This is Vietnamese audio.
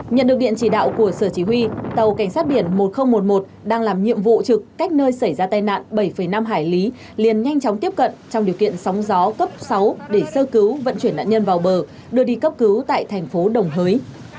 nhận được điện chỉ đạo của sở chỉ huy tàu cảnh sát biển một nghìn một mươi một đang làm nhiệm vụ trực cách nơi xảy ra tai nạn bảy năm hải lý liền nhanh chóng tiếp cận trong điều kiện sóng gió cấp sáu để sơ cứu vận chuyển nạn nhân vào bờ đưa đi cấp cứu tại thành phố đồng hới